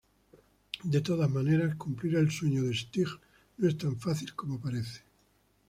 De todas maneras, cumplir el sueño de Stitch no es tan fácil como parece.